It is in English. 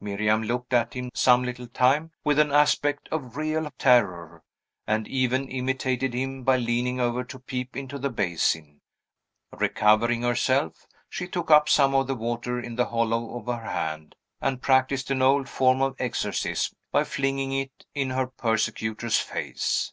Miriam looked at him, some little time, with an aspect of real terror, and even imitated him by leaning over to peep into the basin. Recovering herself, she took up some of the water in the hollow of her hand, and practised an old form of exorcism by flinging it in her persecutor's face.